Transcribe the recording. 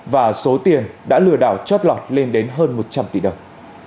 và số tiền đã lừa đảo chót lọt lên đến hơn một trăm linh tỷ đồng